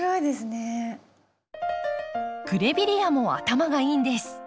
グレビレアも頭がいいんです。